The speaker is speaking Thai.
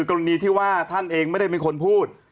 กรณีที่ว่าท่านเองไม่ได้เป็นคนพูด